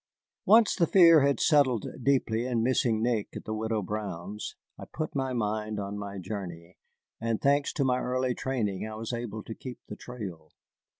Once the fear had settled deeply of missing Nick at the Widow Brown's, I put my mind on my journey, and thanks to my early training I was able to keep the trail.